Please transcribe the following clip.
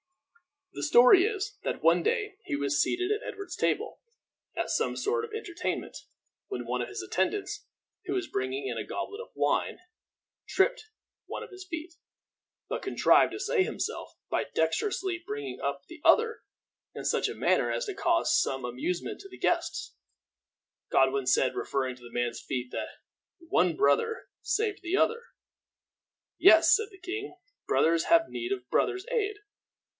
The story is, that one day he was seated at Edward's table, at some sort of entertainment, when one of his attendants, who was bringing in a goblet of wine, tripped one of his feet, but contrived to save himself by dexterously bringing up the other in such a manner as to cause some amusement to the guests; Godwin said, referring to the man's feet, that one brother saved the other. "Yes," said the king, "brothers have need of brothers' aid.